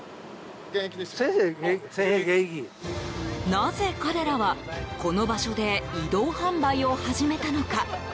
なぜ彼らは、この場所で移動販売を始めたのか？